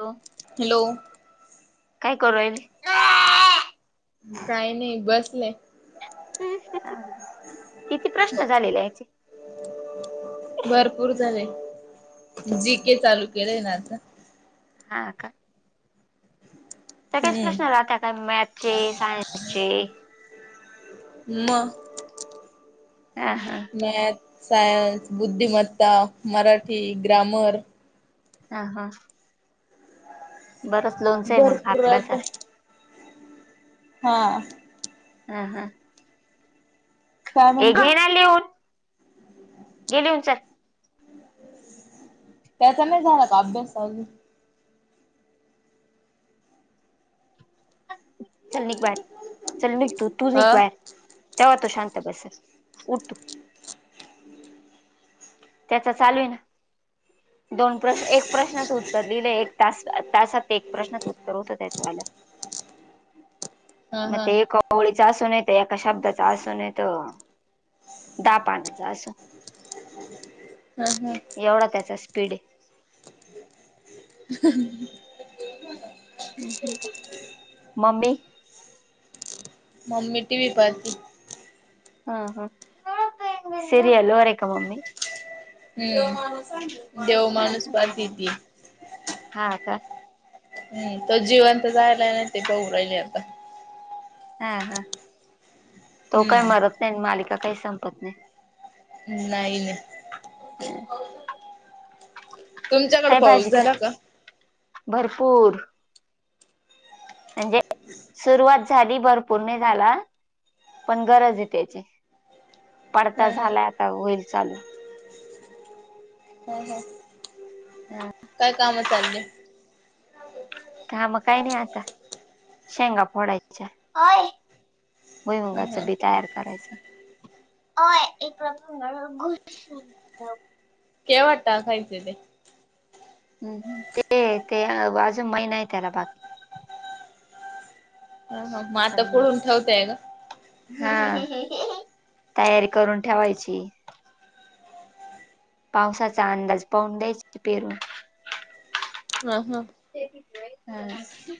हो हॅलो. काय करूरायली काही नाही बसले. किती प्रश्न झालेले याचे भरपूर झाले. जी के चालू केलंय ना आता हा का. त्या काहीच प्रश्न हम्म राहता काय मॅथचे सायन्सचे म. हा हा. मॅथ सायन्स बुद्धिमत्ता मराठी ग्रामर ह हा. बरच लोनचं आहे मग हा भरपूर राहते. अभ्यासाचा. हा. ह ह. काय एक म्हणते घे ना लिहून घे लिहून चल. त्याचा नाही झाला का अभ्यास अजून चल निघ बाहेर चल निघ तू तू निघ अ हा बाहेर तेव्हा तो शांत बसलं उठ. त्याचा चालू आहे ना. दोन प्रश्न एक प्रश्नाचं उत्तर लिहिलं एक तास तासात एक प्रश्नचं उत्तर होतं त्याच्यवाल हा म हा ते एका ओळीत असून येतं एका शब्दाचा आसून येतो. दा पाणाचं आसन ह ह एवढा त्याचा स्पीडे. [unintelligible] मम्मी मम्मी टि व्ही पाहतयी. हां हां सरियलवर आहे का मम्मी. हुं देव माणूस पाहतेय ती. हां कां हुं तो जीवंत जायला नाही ते पहु राहिले आता. हां हां तो काय हम्म मरत नाही आणि मालिका काही संपत नाही. नाही नाही तुमच्याकडे काय पाऊस भाजी काय झाला का? भरपूर म्हणजे सुरुवात झाली भरपूर नाही झाला. पण गरजेय त्याची पडता हा हा झालाय आता होईल चालू. ह ह हा. काय काम चालली? काम काय नाही आता, शेंगा फोडायच्या. ह भुईमुगाच ह बी तयार करायचं. ओय [unintelligible] केव्हां टाकायच ते? हम्म हम्म ते ते आव अजून महीना आहे त्याला बाकी. हां हां म आता फोडून ठेवताय का? हां, तयारी करून ठेवायची. पावसाचा अंदाज पाहुन, द्याचकी पेरून. हां हां. हम्म.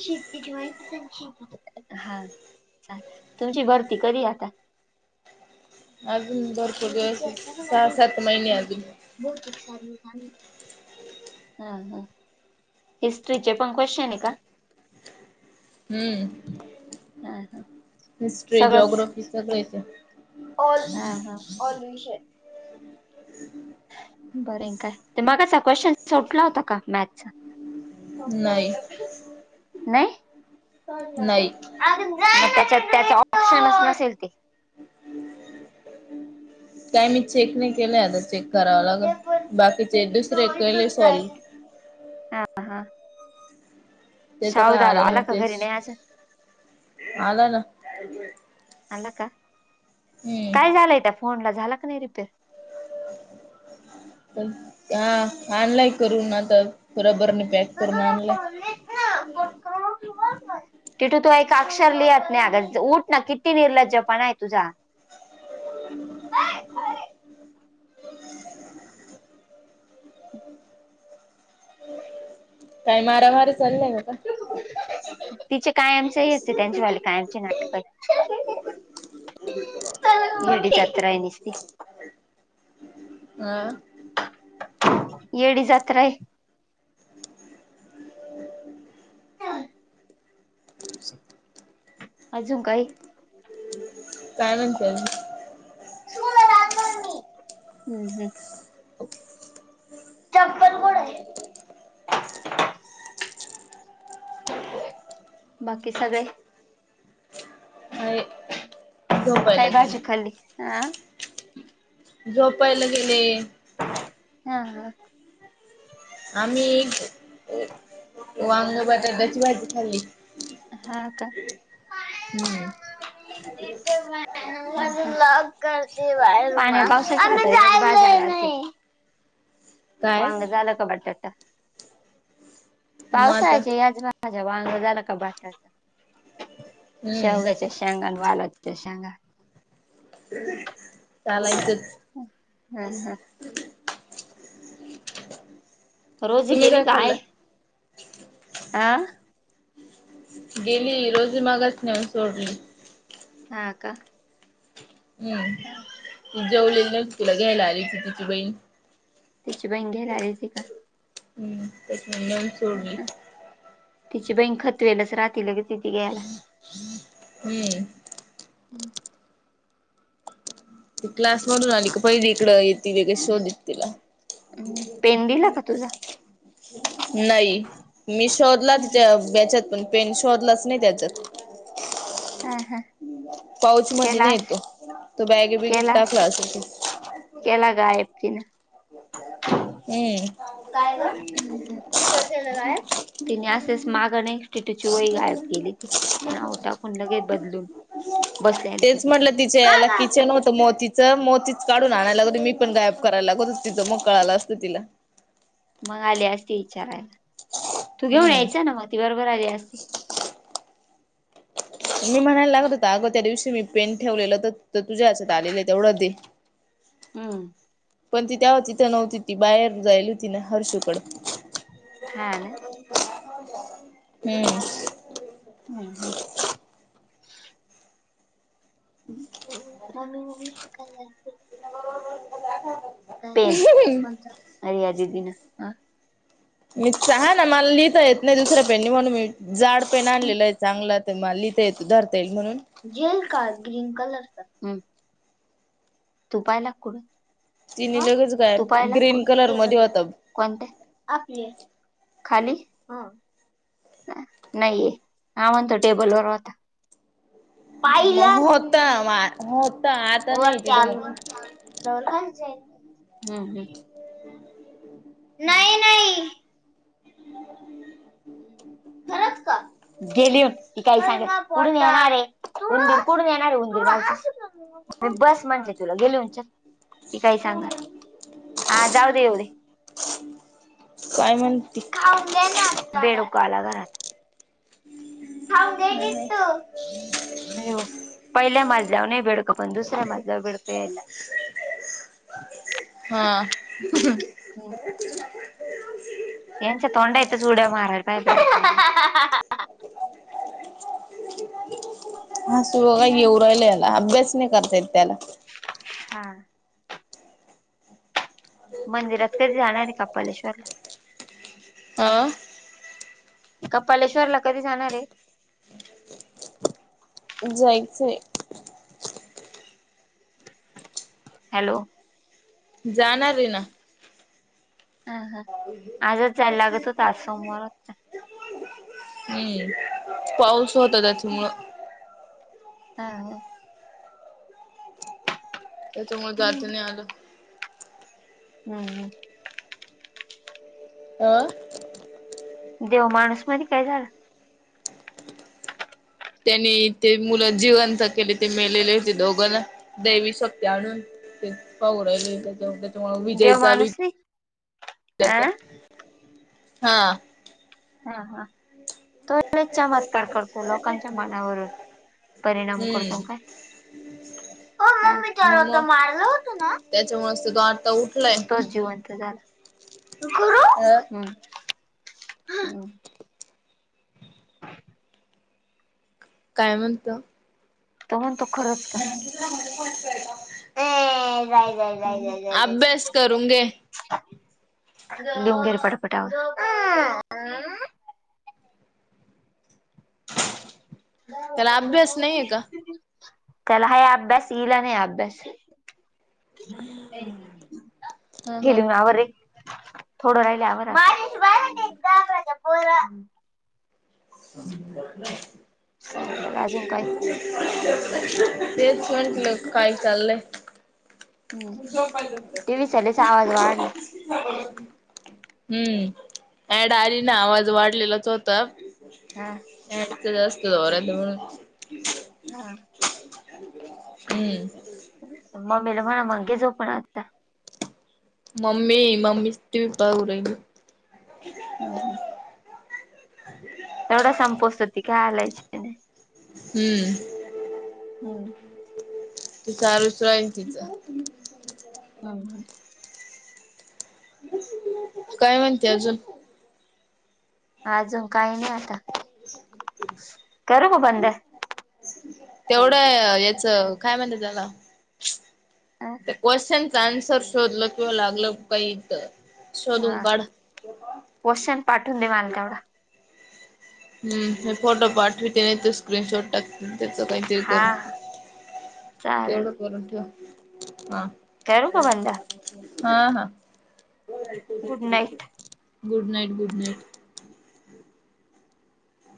शेतीची माहिती सांग की, हा. तुमची भरती कधीय आता? अजून भरपूर दिवस आहे, इतिहास सांग ना सहा भौतिक सात महिने अजून. हां हां. हिस्ट्रीचे पण क्वशनहे का? हम्म. हां हां- [unintelligible] हिस्ट्री जॉग्राॅफी सगळे येतय. ऑल हां हां ऑल विषय- बरये का. ते मागासचा क्वशन सुटला होता का मॅथ्सचा. नाही नाहीं. नाही मग त्याच्यात. त्यात ऑप्शनच नसेल ते. काय मी चेक नाही केलंय. आता चेक- कराव लागल. ते पण बाकीचे दुसरे तिथून कले सॉल. अंहा- ते तर काय आलेले घरी नव्हतेच. नाही अजून आला नां- आला का काय झालंय त्या फोनला. झाला का नाही रिपेअर? हां आणलाय करून आता बरोबर म- पॅक करून आणलाय. [inaudible] तिठू तू एक अक्षर लिहत नाही अगं. ऊठ नां किती निर्लज्जपण आहे तुझा. ओय अरे- काही मारामारी चालय का? तिचे कायमचे हेच त्यांच्या वाले कायमचे नाटक. [inaudible] याय. येडी जत्रा आहे. [unintelligible] अजून काही? काय म्हणते अजून? [unintelligible] ह् ह [unintelligible] [unintelligible] बाकी सगळे? अजून काय झोपायला भाजी गेले खालली? झोपायला गेले. हा हा. आम्ही वांग बटाट्याची भाजी खाल्ली हा का. [unintelligible] हम्म पाण्या पावसाच काही भाज्या काय वांग झालं का बटाटा? मग आता पावसाळ्याच्या ह्याच भाज्या भाझ्या वांग झालं का बटाट हम्म शेवग्याच्या शेंगा आणि वालाच्या शेंगा. चालायचच. हा, हा. रोजी तुम्ही गेली काय का आहे? खाल्ला अ. गेली रोजीमगास नेऊन सोडली. हा का. हम्म हा. ती जेवलेली नव्हती तिला घ्यायला आली होती तिची बहीण. तीची बहीन घ्यायला आली होती का? हम्म तेच म नेऊन हा, सोडली. हा. तिची बहीण खतवेलच राहती, लगेच येती घ्यायला. हम्म हम्म. ती क्लास मधून आली का पहिली इकडं येती लगेच शोधत तिला. पेन दिला का तुझा [unintelligible] नाही मी शोधला हा, तिच्या याच्यात पण पेन शोधलाच नई त्याच्यात. हा हा. पाऊच मध्ये नई केलास येतो. तो बॅगे बिगेत केलास टाकला असे तो केला गायब तिनं. हम्म काय ग हम्् का केलं काय तिने असेच माग नहीं टीटूची वई गायब केली होती, नाव टाकून लगेच बदलून. बसल्याला तेच सगट. म्हटलं तिचे का याला गायब किचन केलं? होतं मोतीच मोतीच काढून आणायला लागत होत, मी पण गायब करायला लागत होता तिच मग कळाल असतं तिला. मग आली असती विचारायला. तू घेऊन हम्म यायचा ना मग ती बरोबर आली असती. मी म्हणायला लागत होता अगं त्या दिवशी मी पेन ठेवलेला तो तुझ्या यांच्यात आलेला तेवढं दे. हम्म. पण ती तेव्हा तिथं नव्हती ती, बाहेर जाईल होती ना हर्षूकड. हा ना हम्म. हम्म ह. [unintelligible] पेन कोनाचा. अरे या दीदीन. मी चहा ना. मला लिहिता येत नाही दुसऱ्या पेननी म्हणून मी जाड पेन आणलेलं आहे चांगला. मला लिहिता येत धर. जेल का ग्रीन कलरचा तू पायला का कुठ. तिने हा लगेच तू गायब पाहिला का ग्रीन कुठ? कलर मध्ये टेबल वर. होता कोणत्या? आपल्या. खाली हा. नाहीये हा म्हणतो. टेबल वर होता. मग पाहिलं होता होता. आता नाही तिथं मग? ठेवल असेल हं हं. नाही-नाही. खरंच कोण येणार? म्हणजे कडून येणारे उंदीर. कुडून येणार रे उंदीर. बा. बस म्हणजे तुला. [unintelligible] गेलं हा जाऊ दे येवढे. काय माहित? खाऊ द्याना? बेडूक आला घरात. खाऊन घे की होय-होय. तू. म्हणजे हो पहिल्या माजल्यावर नाही बेडक. पण दुसऱ्या मजल्यावर बेडक यायलागल्यात. [inaudible] हा. हं यांच्या तोंडातच उड्या मारायला पाहिजेत का. हा तू बघा येऊ राहिल याला अभ्यास नाही करतायेत त्याला. हा. मंदिरात कधी जाणार आहेत [unintelligible] आ. कपालेश्वर ला कधी जाणारय? जायचय. हॅलो जाणार रे ना. हा हा आजच जायला लागत होत. आज सोमवार होता. हं पाऊस होता त्याच्यामुळं. हां हां त्याच्यामुळे जात नाही आलं. हं हं आ देव माणूस मध्ये काय झालं? त्यांनी ते मुलं जीवंत केली ते मेलेले होते दोघं देवी शक्ती आणून. ते पाहून राहिले त्याच्या त्याच्यामुळेच विजय देव चालूय माणूस नाही त्याचा. अ हां हा हा तोच लय चमत्कार करतो. लोकांच्या मनावरून. परिणाम करतो काय? हम्म ओह मम्मी तु त्याला मग मारल होत ना? त्याच्यामुळेच तर तो आता उठलाय. तोच जिवंत झाला. त करू अ हं ह काय म्हणतो? तो म्हणतो. खरंच का नम [unintelligible] गाय गाय गाय गाय ग अभ्यास करून घे. [unintelligible] बेटा आवर [unintelligible] त्याला अभ्यास नाहीये का? [unintelligible] त्याला ह आहे अभ्यास हिला नाही अभ्यास. हा हा गेली आवर रे थोडं राहिल आवर. [unintelligible] [inaudible] सर आपल्याला अजून काही तेच म्हंटलं काय चाललंय. [unintelligible] हम्म टीव्ही चालूचा आवाज वाढला हम्म ऍड आली ना आवाज वाढलेलाच होता. हा ऍडच जास्त होरत म्हणून. हा हम्म मम्मीला म्हणा म घे जोपून आता. मम्मी मम्मी टीव्ही पाहू राहिली. हम्म हम्म तेवढा संपोसतर ती काय हिलायची नाय. हम्म हम्म ती चारूच आणी तिच हम काय म्हणते अजून अजून काही नाही आता करू का बंद तेवढ याच काय म्हणत्यात त्याला त्या क्वेश्चनच आन्सर शोधलं किंवा लागलं काही तर शोधून हा काढ. पोशन पाठवून दे मला तेवढा हम् हे फोटो पाठवते ते स्क्रीनशॉट टाकते मी त्याच काहीतरी हा करून चालेल तेवढं करून ठेव हा करू का बंद हा हा good night good night good night